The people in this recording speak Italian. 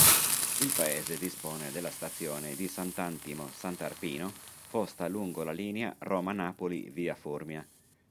Il paese dispone della stazione di Sant'Antimo-Sant'Arpino posta lungo la linea Roma-Napoli via Formia.